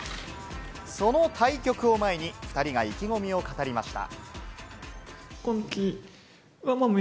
その対局を前に、２人が意気込みを語りました。